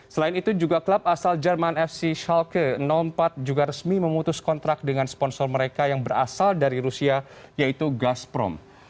selain itu juga klub asal jerman fc shalke empat juga resmi memutus kontrak dengan sponsor mereka yang berasal dari rusia yaitu gasprom